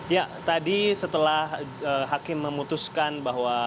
ya tadi setelah hakim memutuskan bahwa